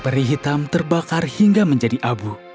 peri hitam terbakar hingga menjadi abu